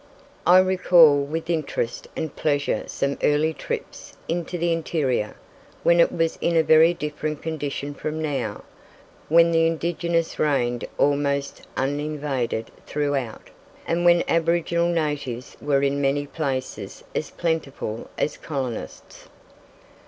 I recall with interest and pleasure some early trips into the interior, when it was in a very different condition from now, when the indigenous reigned almost uninvaded throughout, and when aboriginal natives were in many places as plentiful as colonists.